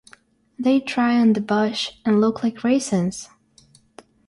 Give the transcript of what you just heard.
They dry on the bush and look like raisins.